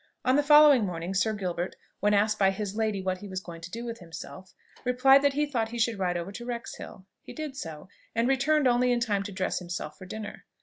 On the following morning, Sir Gilbert, when asked by his lady what he was going to do with himself, replied that he thought he should ride over to Wrexhill. He did so, and returned only in time to dress himself for dinner.